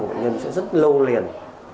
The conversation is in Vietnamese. của bệnh nhân sẽ rất lâu liền